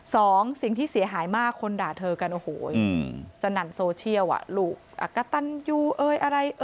สองสิ่งที่เสียหายมากคนด่าเธอกันโอ้โหสนั่นโซเชียลอ่ะลูกอักกะตันยูเอ่ยอะไร